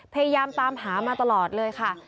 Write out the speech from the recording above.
พยายามตามหามาตลอดเลยค่ะ